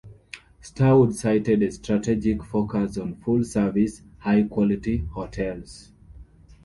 Starwood cited a strategic focus on full-service, high-quality hotels.